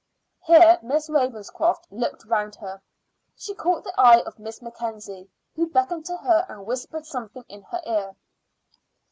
Here Miss Ravenscroft looked round her. She caught the eye of Miss Mackenzie, who beckoned to her and whispered something in her ear.